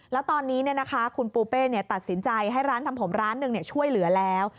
แล้วตอนนี้คุณปูเป้ตัดสินใจให้ร้านทำผมร้านหนึ่งช่วยเหลือแล้ว